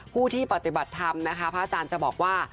ผู้ที่ปฏิบัติธรรมนะคะพระอาจารย์จะบอกว่า